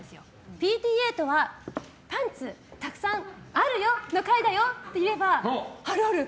ＰＴＡとはパンツたくさんあるよの会だよって言えばある、ある！